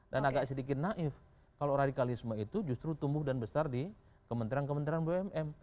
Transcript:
agak sedikit naif kalau radikalisme itu justru tumbuh dan besar di kementerian kementerian bumn